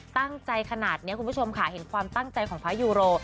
ตั้งใจขนาดนี้คุณผู้ชมค่ะเห็นความตั้งใจของพระยูโร